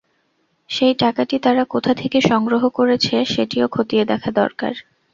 সেই টাকাটি তারা কোথা থেকে সংগ্রহ করেছে, সেটিও খতিয়ে দেখা দরকার।